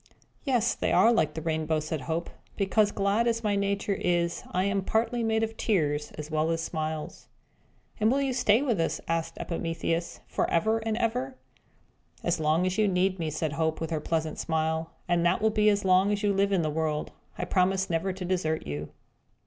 "Yes, they are like the rainbow," said Hope, "because, glad as my nature is, I am partly made of tears as well as smiles." "And will you stay with us," asked Epimetheus, "forever and ever?" "As long as you need me," said Hope, with her pleasant smile "and that will be as long as you live in the world I promise never to desert you.